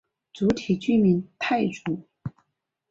主体居民傣族。